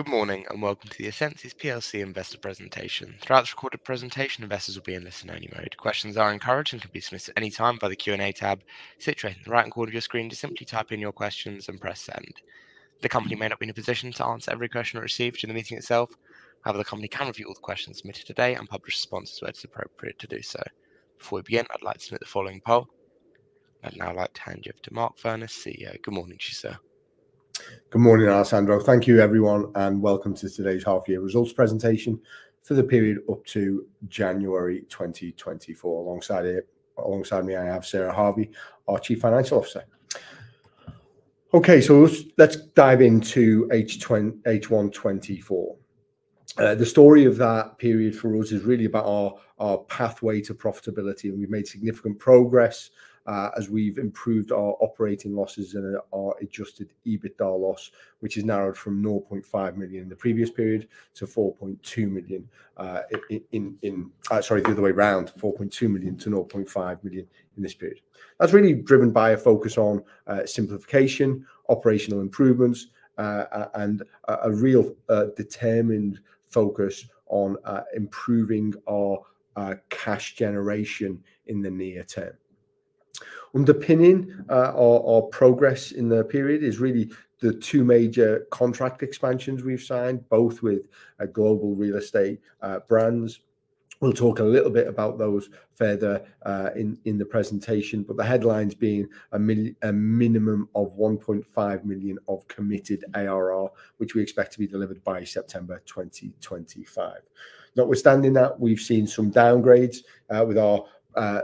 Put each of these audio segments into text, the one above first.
Good morning and welcome to the Essensys plc investor presentation. Throughout this recorded presentation, investors wll be in listen-only mode. Questions are encouraged and can be submitted at any time via the Q&A tab situated in the right-hand corner of your screen to simply type in your questions and press send. The company may not be in a position to answer every question received in the meeting itself; however, the company can review all the questions submitted today and publish responses where it is appropriate to do so. Before we begin, I'd like to submit the following poll. I'd now like to hand you over to Mark Furness, CEO. Good morning, to you, sir. Good morning, Alessandro. Thank you, everyone, and welcome to today's half-year results presentation for the period up to January 2024. Alongside me, I have Sarah Harvey, our Chief Financial Officer. Okay, so let's dive into H1 24. The story of that period for us is really about our pathway to profitability, and we've made significant progress as we've improved our operating losses and our Adjusted EBITDA loss, which has narrowed from 0.5 million in the previous period to 4.2 million in - sorry, the other way around, 4.2 million-0.5 million in this period. That's really driven by a focus on simplification, operational improvements, and a real determined focus on improving our cash generation in the near term. Underpinning our progress in the period is really the two major contract expansions we've signed, both with global real estate brands. We'll talk a little bit about those further in the presentation, but the headlines being a minimum of 1.5 million of committed ARR, which we expect to be delivered by September 2025. Notwithstanding that, we've seen some downgrades with our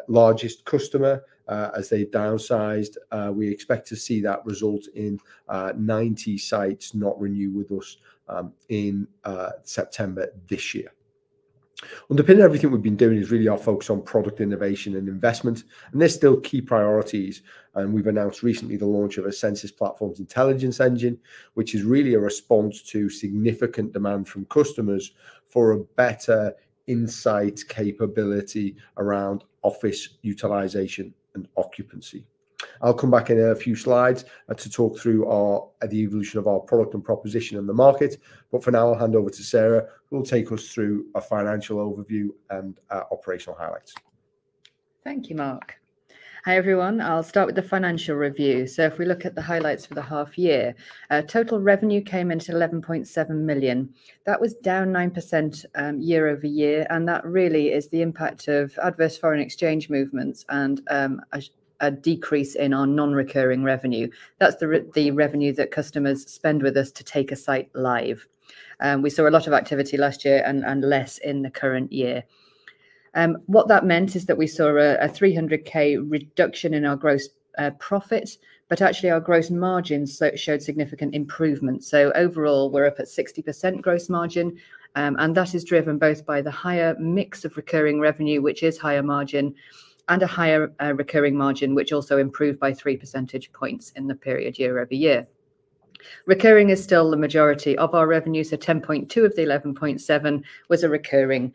largest customer. As they downsized, we expect to see that result in 90 sites not renewing with us in September this year. Underpinning everything we've been doing is really our focus on product innovation and investment. And they're still key priorities. And we've announced recently the launch of a Essensys Intelligence Engine, which is really a response to significant demand from customers for a better insight capability around office utilization and occupancy. I'll come back in a few slides to talk through the evolution of our product and proposition in the market. For now, I'll hand over to Sarah, who will take us through a financial overview and operational highlights. Thank you, Mark. Hi, everyone. I'll start with the financial review. So if we look at the highlights for the half-year, total revenue came in to 11.7 million. That was down 9% year-over-year. And that really is the impact of adverse foreign exchange movements and a decrease in our non-recurring revenue. That's the revenue that customers spend with us to take a site live. We saw a lot of activity last year and less in the current year. What that meant is that we saw a $300,000 reduction in our gross profits, but actually our gross margins showed significant improvement. So overall, we're up at 60% gross margin. And that is driven both by the higher mix of recurring revenue, which is higher margin, and a higher recurring margin, which also improved by 3 percentage points in the period year-over-year. Recurring is still the majority of our revenue. So 10.2 of the 11.7 was a recurring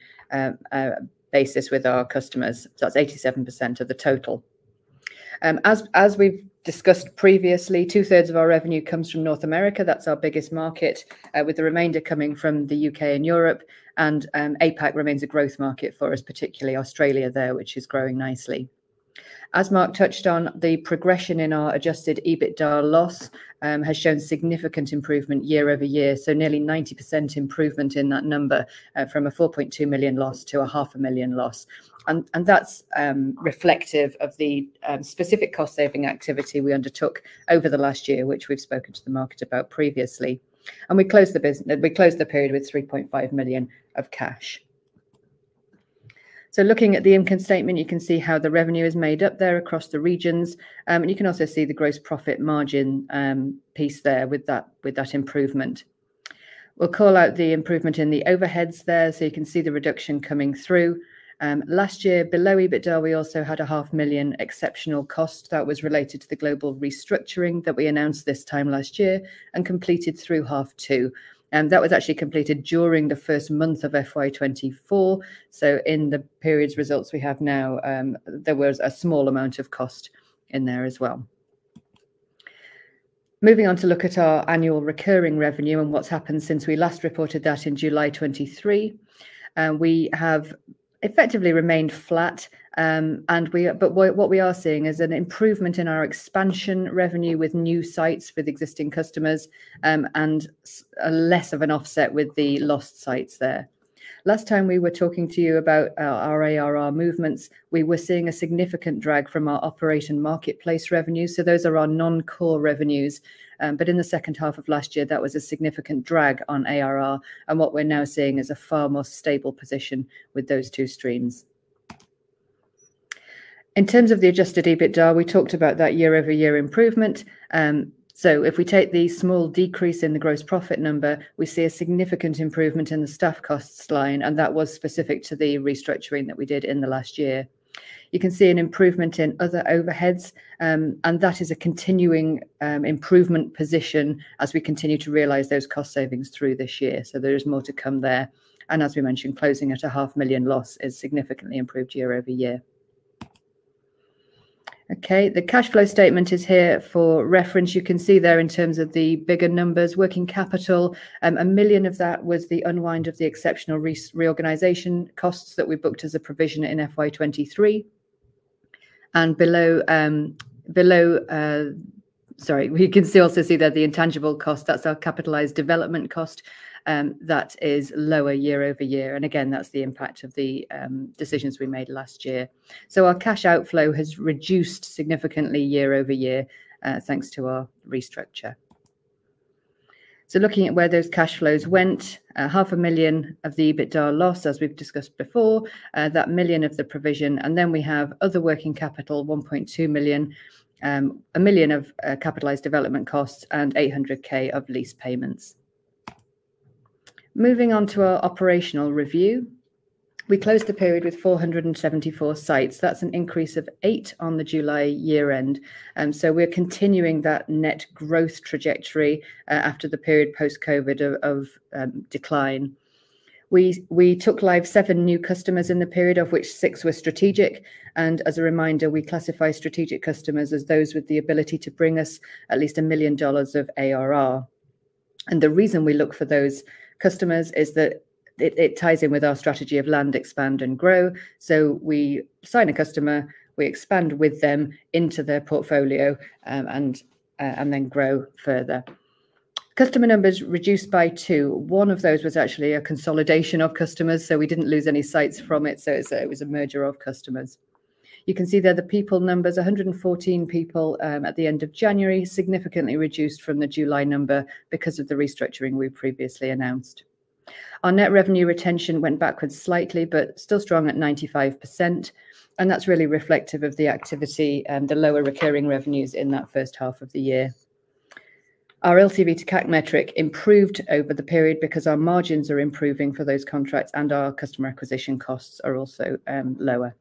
basis with our customers. So that's 87% of the total. As we've discussed previously, two-thirds of our revenue comes from North America. That's our biggest market, with the remainder coming from the U.K. and Europe. And APAC remains a growth market for us, particularly Australia there, which is growing nicely. As Mark touched on, the progression in our Adjusted EBITDA loss has shown significant improvement year-over-year, so nearly 90% improvement in that number from a $4.2 million loss-$500,000 loss. And that's reflective of the specific cost-saving activity we undertook over the last year, which we've spoken to the market about previously. And we closed the period with $3.5 million of cash. So looking at the income statement, you can see how the revenue is made up there across the regions. You can also see the gross profit margin piece there with that improvement. We'll call out the improvement in the overheads there so you can see the reduction coming through. Last year, below EBITDA, we also had a 500,000 exceptional cost that was related to the global restructuring that we announced this time last year and completed through half two. And that was actually completed during the first month of FY 2024. So in the period's results we have now, there was a small amount of cost in there as well. Moving on to look at our annual recurring revenue and what's happened since we last reported that in July 2023. We have effectively remained flat. But what we are seeing is an improvement in our expansion revenue with new sites with existing customers and less of an offset with the lost sites there. Last time we were talking to you about our ARR movements, we were seeing a significant drag from our Operate Marketplace revenue. So those are our non-core revenues. But in the second half of last year, that was a significant drag on ARR. And what we're now seeing is a far more stable position with those two streams. In terms of the Adjusted EBITDA, we talked about that year-over-year improvement. So if we take the small decrease in the gross profit number, we see a significant improvement in the staff costs line. And that was specific to the restructuring that we did in the last year. You can see an improvement in other overheads. That is a continuing improvement position as we continue to realize those cost savings through this year. So there is more to come there. And as we mentioned, closing at a 500,000 loss has significantly improved year-over-year. Okay, the cash flow statement is here for reference. You can see there in terms of the bigger numbers, working capital, 1 million of that was the unwind of the exceptional reorganization costs that we booked as a provision in FY 2023. And below, sorry, you can also see there the intangible cost. That's our capitalized development cost. That is lower year-over-year. And again, that's the impact of the decisions we made last year. So our cash outflow has reduced significantly year-over-year thanks to our restructure. So looking at where those cash flows went, 500,000 of the EBITDA loss, as we've discussed before, that 1 million of the provision. And then we have other working capital, 1.2 million, 1 million of capitalized development costs, and $800,000 of lease payments. Moving on to our operational review, we closed the period with 474 sites. That's an increase of eight on the July year-end. So we're continuing that net growth trajectory after the period post-COVID of decline. We took live seven new customers in the period, of which six were strategic. And as a reminder, we classify strategic customers as those with the ability to bring us at least $1 million of ARR. And the reason we look for those customers is that it ties in with our strategy of land, expand, and grow. We sign a customer, we expand with them into their portfolio, and then grow further. Customer numbers reduced by two. One of those was actually a consolidation of customers. We didn't lose any sites from it. It was a merger of customers. You can see there the people numbers, 114 people at the end of January, significantly reduced from the July number because of the restructuring we previously announced. Our Net Revenue Retention went backwards slightly, but still strong at 95%. That's really reflective of the activity and the lower recurring revenues in that first half of the year. Our LTV to CAC metric improved over the period because our margins are improving for those contracts, and our customer acquisition costs are also lower.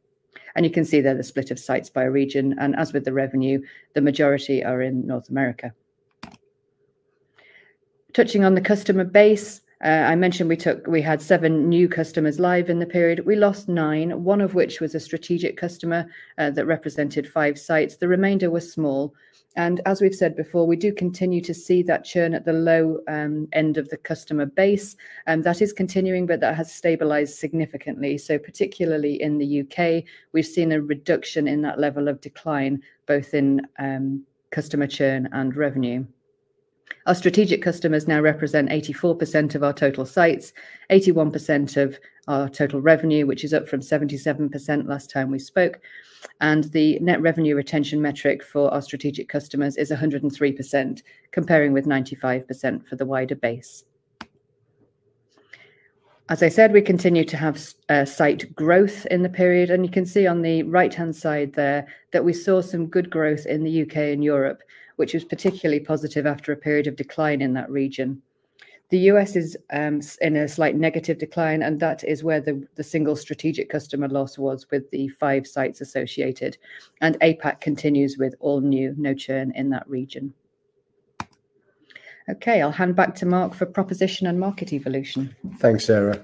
You can see there the split of sites by region. As with the revenue, the majority are in North America. Touching on the customer base, I mentioned we had seven new customers live in the period. We lost nine, one of which was a strategic customer that represented five sites. The remainder were small. And as we've said before, we do continue to see that churn at the low end of the customer base. That is continuing, but that has stabilized significantly. So particularly in the U.K., we've seen a reduction in that level of decline, both in customer churn and revenue. Our strategic customers now represent 84% of our total sites, 81% of our total revenue, which is up from 77% last time we spoke. And the Net Revenue Retention metric for our strategic customers is 103%, comparing with 95% for the wider base. As I said, we continue to have site growth in the period. You can see on the right-hand side there that we saw some good growth in the U.K. and Europe, which was particularly positive after a period of decline in that region. The U.S. is in a slight negative decline. That is where the single strategic customer loss was with the five sites associated. APAC continues with all new, no churn in that region. Okay, I'll hand back to Mark for proposition and market evolution. Thanks, Sarah.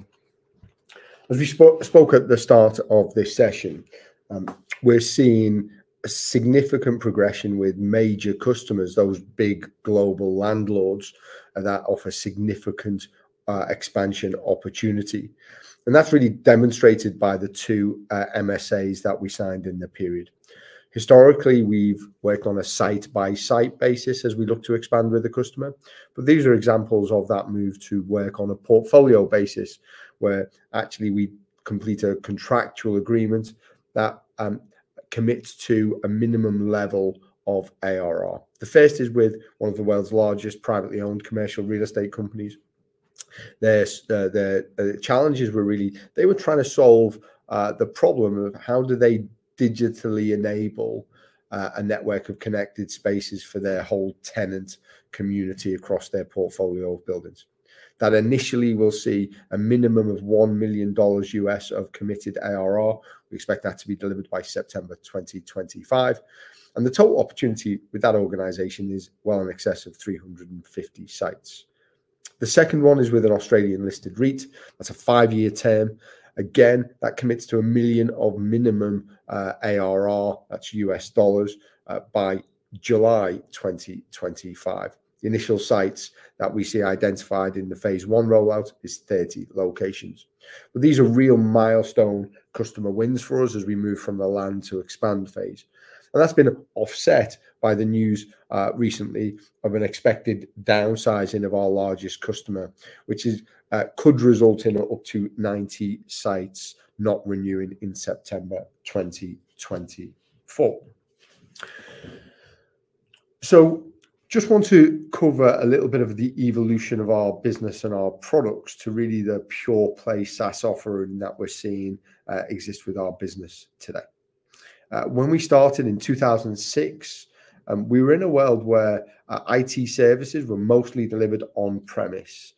As we spoke at the start of this session, we're seeing a significant progression with major customers, those big global landlords that offer significant expansion opportunity. That's really demonstrated by the two MSAs that we signed in the period. Historically, we've worked on a site-by-site basis as we look to expand with a customer. These are examples of that move to work on a portfolio basis, where actually we complete a contractual agreement that commits to a minimum level of ARR. The first is with one of the world's largest privately owned commercial real estate companies. The challenges were really they were trying to solve the problem of how do they digitally enable a network of connected spaces for their whole tenant community across their portfolio of buildings. That initially we'll see a minimum of $1 million of committed ARR. We expect that to be delivered by September 2025. The total opportunity with that organization is well in excess of 350 sites. The second one is with an Australian-listed REIT. That's a five-year term. Again, that commits to $1 million minimum ARR. That's U.S. dollars by July 2025. The initial sites that we see identified in the phase one rollout is 30 locations. But these are real milestone customer wins for us as we move from the land-to-expand phase. That's been offset by the news recently of an expected downsizing of our largest customer, which could result in up to 90 sites not renewing in September 2024. Just want to cover a little bit of the evolution of our business and our products to really the pure-play SaaS offering that we're seeing exist with our business today. When we started in 2006, we were in a world where IT services were mostly delivered on-premise.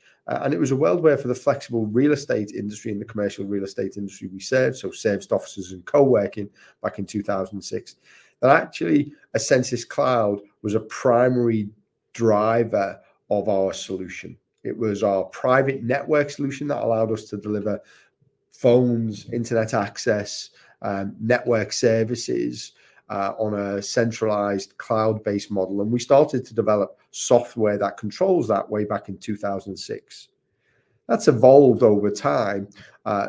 It was a world where for the flexible real estate industry and the commercial real estate industry we served, so serviced offices and coworking back in 2006, that actually Essensys Cloud was a primary driver of our solution. It was our private network solution that allowed us to deliver phones, internet access, network services on a centralized cloud-based model. We started to develop software that controls that way back in 2006. That's evolved over time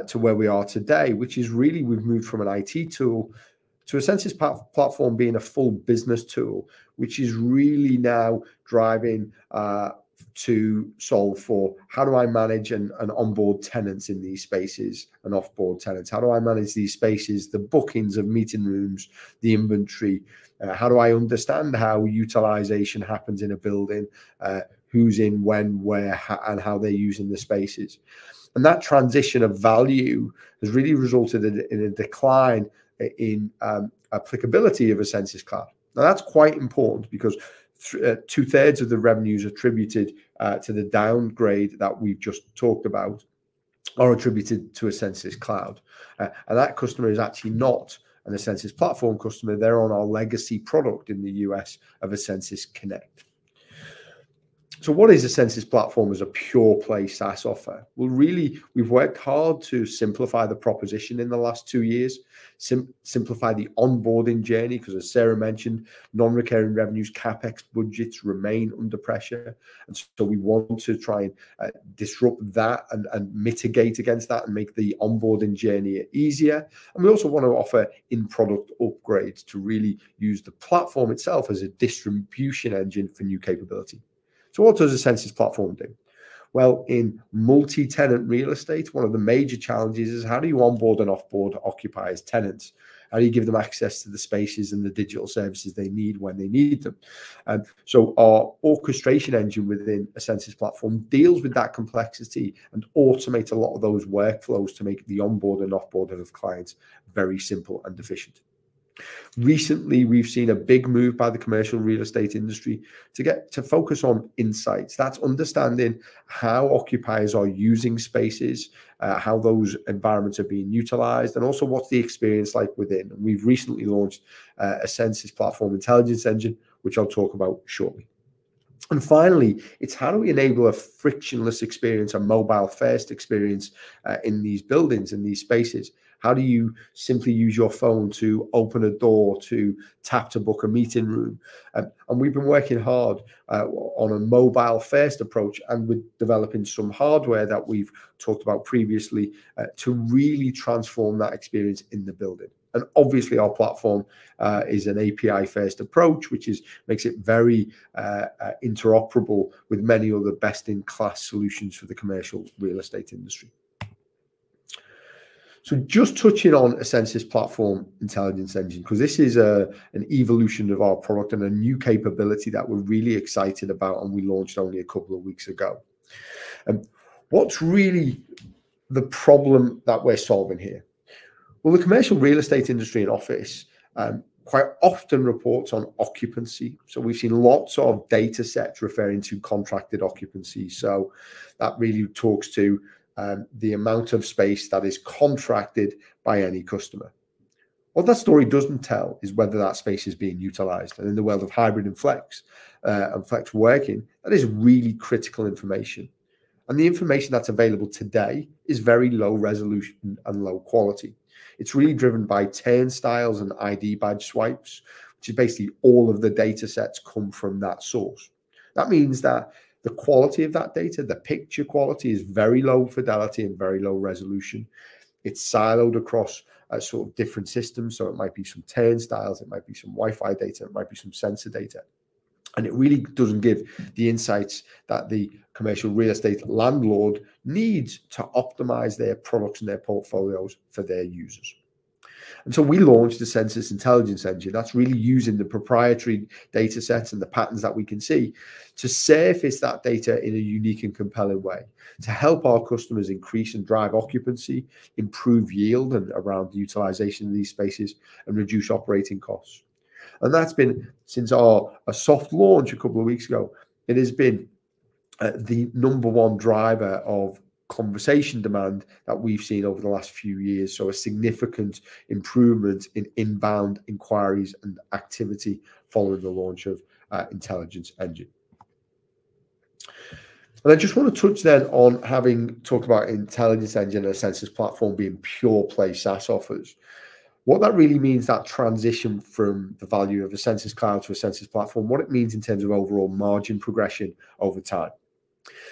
to where we are today, which is really we've moved from an IT tool to an Essensys Platform being a full business tool, which is really now driving to solve for how do I manage and onboard tenants in these spaces and offboard tenants? How do I manage these spaces, the bookings of meeting rooms, the inventory? How do I understand how utilization happens in a building, who's in when, where, and how they're using the spaces? And that transition of value has really resulted in a decline in applicability of Essensys Cloud. Now, that's quite important because two-thirds of the revenues attributed to the downgrade that we've just talked about are attributed to Essensys Cloud. And that customer is actually not an Essensys Platform customer. They're on our legacy product in the U.S. of Essensys Connect. So what is Essensys Platform as a pure-play SaaS offer? Well, really, we've worked hard to simplify the proposition in the last two years, simplify the onboarding journey. Because, as Sarah mentioned, non-recurring revenues, CapEx, budgets remain under pressure. And so we want to try and disrupt that and mitigate against that and make the onboarding journey easier. And we also want to offer in-product upgrades to really use the platform itself as a distribution engine for new capability. So what does Essensys Platform do? Well, in multi-tenant real estate, one of the major challenges is how do you onboard and offboard occupier tenants? How do you give them access to the spaces and the digital services they need when they need them? So our orchestration engine within Essensys Platform deals with that complexity and automates a lot of those workflows to make the onboard and offboarding of clients very simple and efficient. Recently, we've seen a big move by the commercial real estate industry to focus on insights. That's understanding how occupiers are using spaces, how those environments are being utilized, and also what's the experience like within. We've recently launched Essensys Platform Intelligence Engine, which I'll talk about shortly. Finally, it's how do we enable a frictionless experience, a mobile-first experience in these buildings, in these spaces? How do you simply use your phone to open a door, to tap to book a meeting room? We've been working hard on a mobile-first approach and with developing some hardware that we've talked about previously to really transform that experience in the building. Obviously, our platform is an API-first approach, which makes it very interoperable with many of the best-in-class solutions for the commercial real estate industry. Just touching Essensys Platform Intelligence Engine, because this is an evolution of our product and a new capability that we're really excited about, and we launched only a couple of weeks ago. What's really the problem that we're solving here? Well, the commercial real estate industry in office quite often reports on occupancy. So we've seen lots of data sets referring to contracted occupancy. So that really talks to the amount of space that is contracted by any customer. What that story doesn't tell is whether that space is being utilized. And in the world of hybrid and flex and flex working, that is really critical information. And the information that's available today is very low resolution and low quality. It's really driven by turnstiles and ID badge swipes, which is basically all of the data sets come from that source. That means that the quality of that data, the picture quality, is very low fidelity and very low resolution. It's siloed across sort of different systems. So it might be some turnstiles. It might be some Wi-Fi data. It might be some sensor data. It really doesn't give the insights that the commercial real estate landlord needs to optimize their products and their portfolios for their users. So we launched an Essensys Intelligence Engine that's really using the proprietary data sets and the patterns that we can see to surface that data in a unique and compelling way, to help our customers increase and drive occupancy, improve yield around the utilization of these spaces, and reduce operating costs. And that's been since our soft launch a couple of weeks ago, it has been the number one driver of conversation demand that we've seen over the last few years. So a significant improvement in inbound inquiries and activity following the launch of Intelligence Engine. And I just want to touch then on having talked about Intelligence Engine and Essensys Platform being pure-play SaaS offers. What that really means, that transition from the value of Essensys Cloud to Essensys Platform, what it means in terms of overall margin progression over time.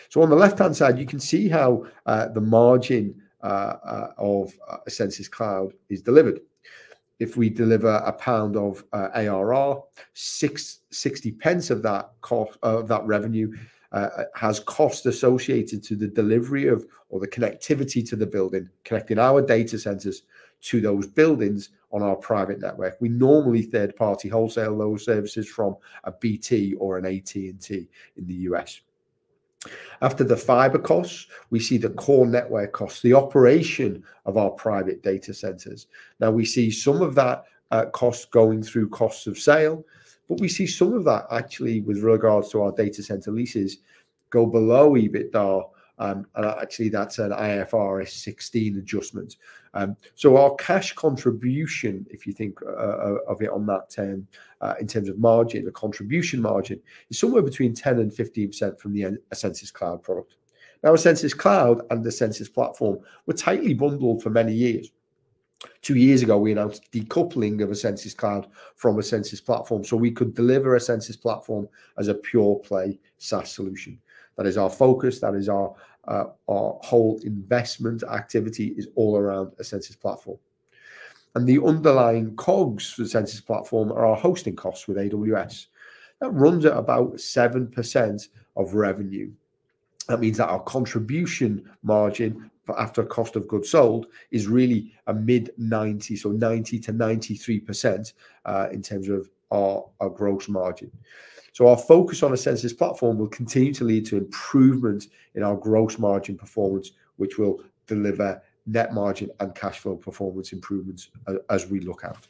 So on the left-hand side, you can see how the margin of Essensys Cloud is delivered. If we deliver GBP 1 of ARR, 0.60 of that revenue has costs associated to the delivery of or the connectivity to the building, connecting our data centers to those buildings on our private network. We normally third-party wholesale those services from a BT or an AT&T in the U.S. After the fiber costs, we see the core network costs, the operation of our private data centers. Now, we see some of that cost going through costs of sale. But we see some of that, actually, with regards to our data center leases, go below EBITDA. And actually, that's an IFRS 16 adjustment. So our cash contribution, if you think of it on that term in terms of margin, the contribution margin, is somewhere between 10%-15% from the Essensys Cloud product. Now, Essensys Cloud and the Essensys Platform were tightly bundled for many years. Two years ago, we announced decoupling of Essensys Cloud from Essensys Platform so we could deliver Essensys Platform as a pure-play SaaS solution. That is our focus. That is our whole investment activity is all around Essensys Platform. And the underlying COGS for the Essensys Platform are our hosting costs with AWS. That runs at about 7% of revenue. That means that our contribution margin after cost of goods sold is really a mid-90%, so 90%-93% in terms of our gross margin. Our focus on Essensys Platform will continue to lead to improvements in our gross margin performance, which will deliver net margin and cash flow performance improvements as we look out.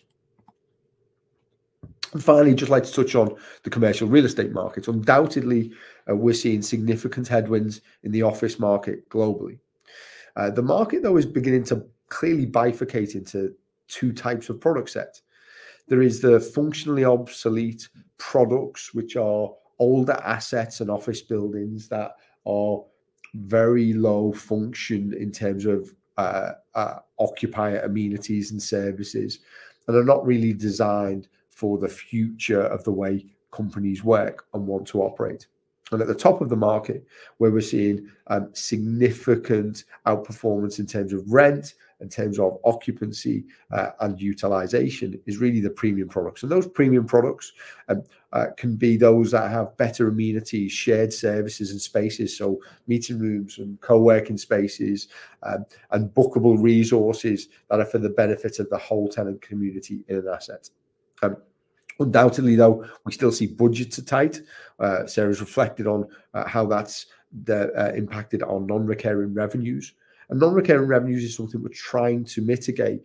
Finally, I'd just like to touch on the commercial real estate market. Undoubtedly, we're seeing significant headwinds in the office market globally. The market, though, is beginning to clearly bifurcate into two types of product sets. There is the functionally obsolete products, which are older assets and office buildings that are very low function in terms of occupier amenities and services and are not really designed for the future of the way companies work and want to operate. At the top of the market, where we're seeing significant outperformance in terms of rent, in terms of occupancy and utilization, is really the premium products. Those premium products can be those that have better amenities, shared services and spaces, so meeting rooms and coworking spaces, and bookable resources that are for the benefit of the whole tenant community in an asset. Undoubtedly, though, we still see budgets are tight. Sarah's reflected on how that's impacted our non-recurring revenues. Non-recurring revenues is something we're trying to mitigate.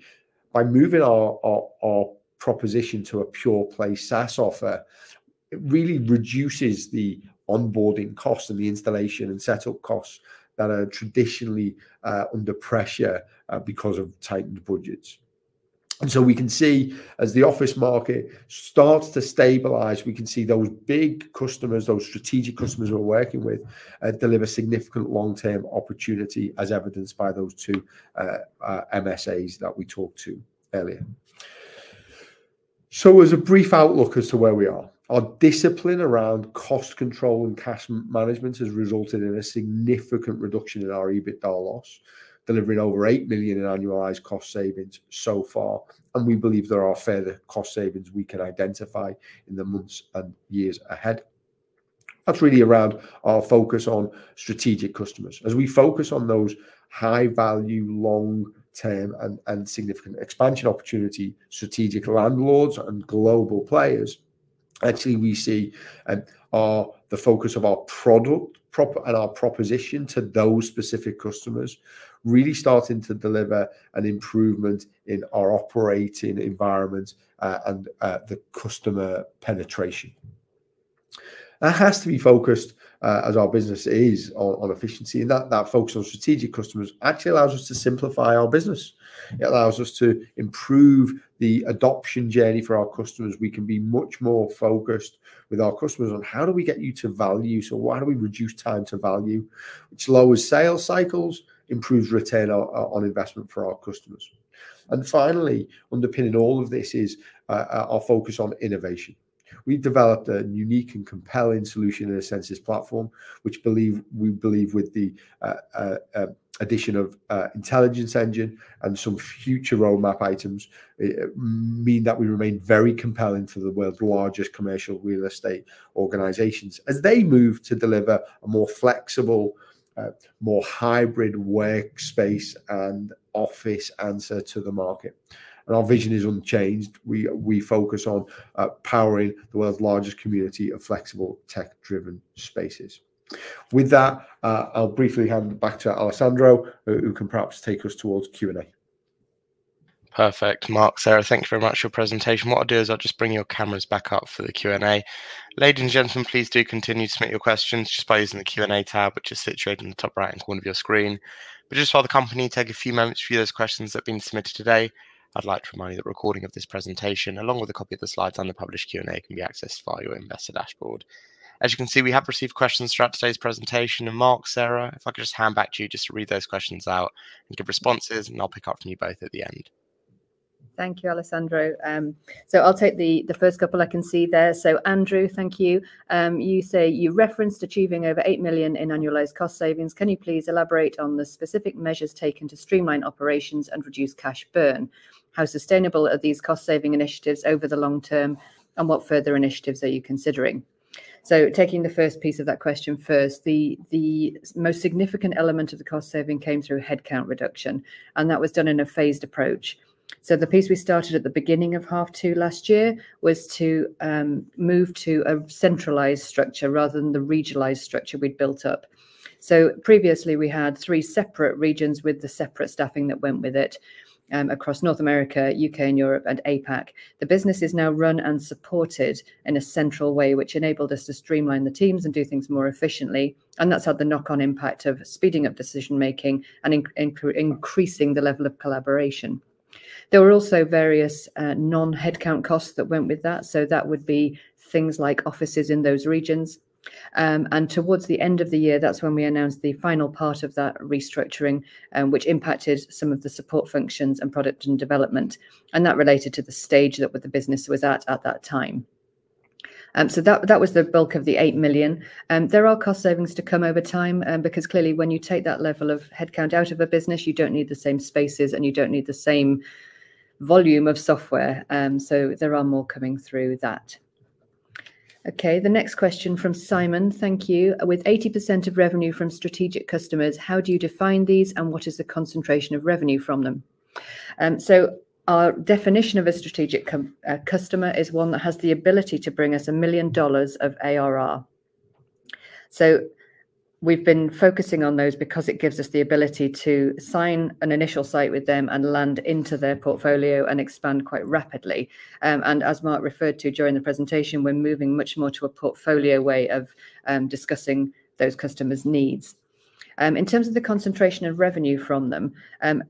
By moving our proposition to a pure-play SaaS offer, it really reduces the onboarding costs and the installation and setup costs that are traditionally under pressure because of tightened budgets. We can see, as the office market starts to stabilize, we can see those big customers, those strategic customers we're working with, deliver significant long-term opportunity, as evidenced by those two MSAs that we talked to earlier. As a brief outlook as to where we are, our discipline around cost control and cash management has resulted in a significant reduction in our EBITDA loss, delivering over $8 million in annualized cost savings so far. We believe there are further cost savings we can identify in the months and years ahead. That's really around our focus on strategic customers. As we focus on those high-value, long-term, and significant expansion opportunity strategic landlords and global players, actually, we see the focus of our product and our proposition to those specific customers really starting to deliver an improvement in our operating environment and the customer penetration. That has to be focused, as our business is, on efficiency. That focus on strategic customers actually allows us to simplify our business. It allows us to improve the adoption journey for our customers. We can be much more focused with our customers on how do we get you to value, so why do we reduce time to value, which lowers sales cycles, improves return on investment for our customers. Finally, underpinning all of this is our focus on innovation. We've developed a unique and compelling solution in Essensys Platform, which we believe, with the addition of Intelligence Engine and some future roadmap items, means that we remain very compelling for the world's largest commercial real estate organizations as they move to deliver a more flexible, more hybrid workspace and office answer to the market. Our vision is unchanged. We focus on powering the world's largest community of flexible, tech-driven spaces. With that, I'll briefly hand back to Alessandro, who can perhaps take us towards Q&A. Perfect, Mark. Sarah, thank you very much for your presentation. What I'll do is I'll just bring your cameras back up for the Q&A. Ladies and gentlemen, please do continue to submit your questions just by using the Q&A tab, which is situated in the top right-hand corner of your screen. But just while the company takes a few moments to view those questions that have been submitted today, I'd like to remind you that the recording of this presentation, along with a copy of the slides and the published Q&A, can be accessed via your Investor Dashboard. As you can see, we have received questions throughout today's presentation. And Mark, Sarah, if I could just hand back to you just to read those questions out and give responses, and I'll pick up from you both at the end. Thank you, Alessandro. So I'll take the first couple I can see there. So Andrew, thank you. You say you referenced achieving over $8 million in annualized cost savings. Can you please elaborate on the specific measures taken to streamline operations and reduce cash burn? How sustainable are these cost-saving initiatives over the long term, and what further initiatives are you considering? So taking the first piece of that question first, the most significant element of the cost saving came through headcount reduction. And that was done in a phased approach. So the piece we started at the beginning of half two last year was to move to a centralized structure rather than the regionalized structure we'd built up. So previously, we had three separate regions with the separate staffing that went with it across North America, U.K., and Europe, and APAC. The business is now run and supported in a central way, which enabled us to streamline the teams and do things more efficiently. That's had the knock-on impact of speeding up decision-making and increasing the level of collaboration. There were also various non-headcount costs that went with that. That would be things like offices in those regions. Towards the end of the year, that's when we announced the final part of that restructuring, which impacted some of the support functions and product and development. That related to the stage that the business was at at that time. That was the bulk of the $8 million. There are cost savings to come over time, because clearly, when you take that level of headcount out of a business, you don't need the same spaces, and you don't need the same volume of software. So there are more coming through that. OK, the next question from Simon. Thank you. With 80% of revenue from strategic customers, how do you define these, and what is the concentration of revenue from them? So our definition of a strategic customer is one that has the ability to bring us $1 million of ARR. So we've been focusing on those because it gives us the ability to sign an initial site with them and land into their portfolio and expand quite rapidly. And as Mark referred to during the presentation, we're moving much more to a portfolio way of discussing those customers' needs. In terms of the concentration of revenue from them,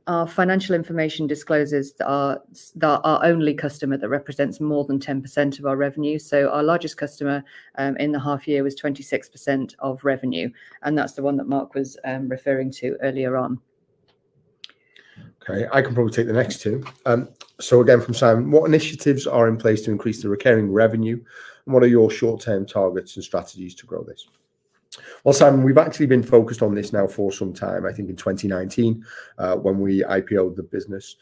our financial information discloses that our only customer that represents more than 10% of our revenue, so our largest customer in the half year, was 26% of revenue. That's the one that Mark was referring to earlier on. OK, I can probably take the next two. So again from Simon, what initiatives are in place to increase the recurring revenue, and what are your short-term targets and strategies to grow this? Well, Simon, we've actually been focused on this now for some time, I think in 2019, when we IPO'd the business.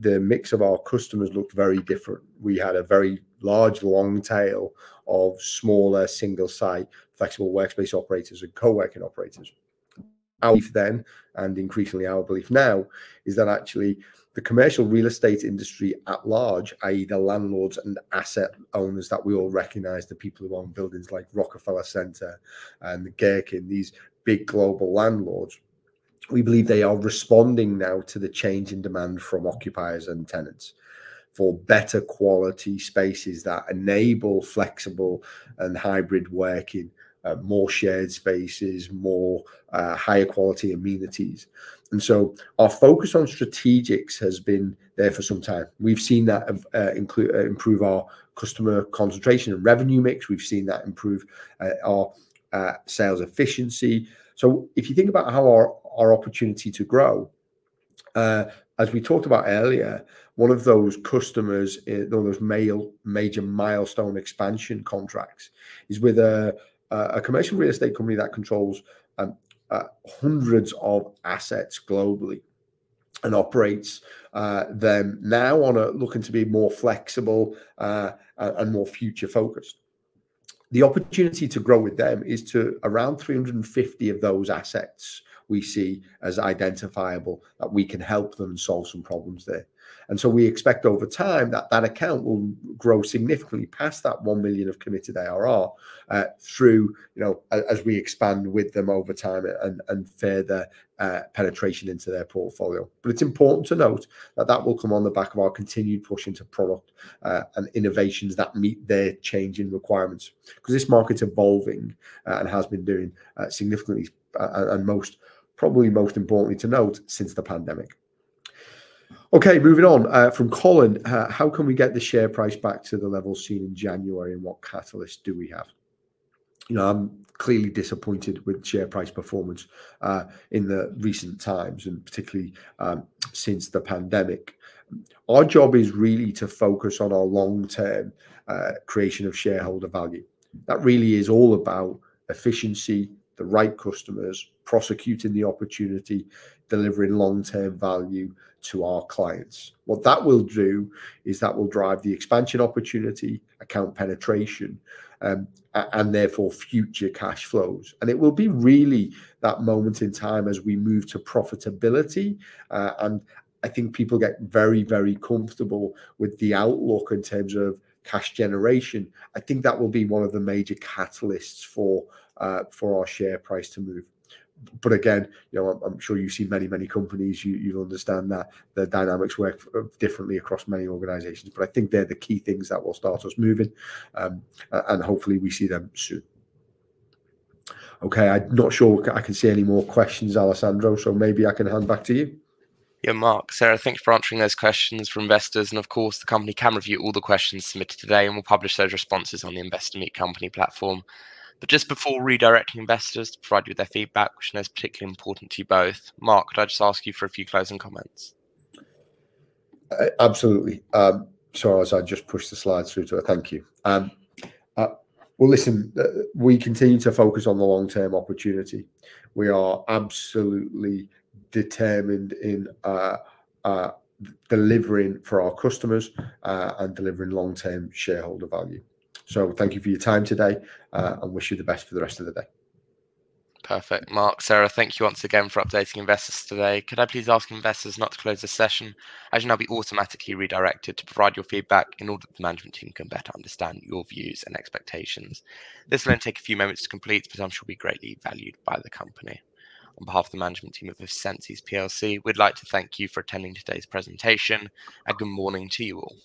The mix of our customers looked very different. We had a very large, long tail of smaller, single-site, flexible workspace operators and coworking operators. Our belief then, and increasingly our belief now, is that actually the commercial real estate industry at large, i.e., the landlords and asset owners that we all recognize, the people who own buildings like Rockefeller Center and Gherkin, these big global landlords, we believe they are responding now to the change in demand from occupiers and tenants for better quality spaces that enable flexible and hybrid working, more shared spaces, higher quality amenities. And so our focus on strategics has been there for some time. We've seen that improve our customer concentration and revenue mix. We've seen that improve our sales efficiency. So if you think about how our opportunity to grow, as we talked about earlier, one of those customers, one of those major milestone expansion contracts, is with a commercial real estate company that controls hundreds of assets globally and operates them now, looking to be more flexible and more future-focused. The opportunity to grow with them is to around 350 of those assets we see as identifiable that we can help them solve some problems there. And so we expect, over time, that that account will grow significantly past that $1 million of committed ARR as we expand with them over time and further penetration into their portfolio. It's important to note that that will come on the back of our continued push into product and innovations that meet their changing requirements, because this market's evolving and has been doing significantly, and probably most importantly to note, since the pandemic. OK, moving on. From Colin, how can we get the share price back to the levels seen in January, and what catalysts do we have? I'm clearly disappointed with share price performance in the recent times, and particularly since the pandemic. Our job is really to focus on our long-term creation of shareholder value. That really is all about efficiency, the right customers, prosecuting the opportunity, delivering long-term value to our clients. What that will do is that will drive the expansion opportunity, account penetration, and therefore future cash flows. It will be really that moment in time as we move to profitability. I think people get very, very comfortable with the outlook in terms of cash generation. I think that will be one of the major catalysts for our share price to move. But again, I'm sure you've seen many, many companies. You'll understand that the dynamics work differently across many organizations. I think they're the key things that will start us moving. And hopefully, we see them soon. OK, I'm not sure I can see any more questions, Alessandro. So maybe I can hand back to you. Yeah, Mark. Sarah, thanks for answering those questions for investors. And of course, the company can review all the questions submitted today, and we'll publish those responses on the Investor Meet Company platform. But just before redirecting investors to provide you with their feedback, which I know is particularly important to you both, Mark, could I just ask you for a few closing comments? Absolutely. Sorry, Alessandro, I just pushed the slides through too. Thank you. Well, listen, we continue to focus on the long-term opportunity. We are absolutely determined in delivering for our customers and delivering long-term shareholder value. So thank you for your time today, and wish you the best for the rest of the day. Perfect. Mark, Sarah, thank you once again for updating investors today. Could I please ask investors not to close this session? As you know, I'll be automatically redirected to provide your feedback in order for the management team to better understand your views and expectations. This will only take a few moments to complete, but I'm sure it will be greatly valued by the company. On behalf of the management team of Essensys plc, we'd like to thank you for attending today's presentation. Good morning to you all.